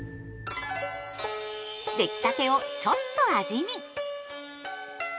出来たてをちょっと味見。